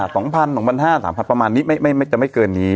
สองพันสองพันห้าสามพันประมาณนี้ไม่ไม่จะไม่เกินนี้